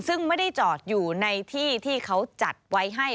ซึ่งไม่ได้จอดอยู่ในที่ที่เขาจัดไว้ให้